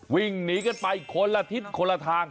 วิ่งหนีกันไปคนละทิศคนละทาง